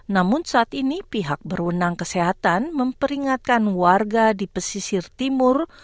namun saat ini pihak berwenang kesehatan memperingatkan warga di pesisir timur